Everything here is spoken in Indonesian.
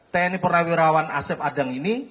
tni pernah wirawan aset adang ini